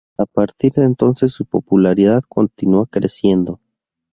A partir de entonces su popularidad continua creciendo.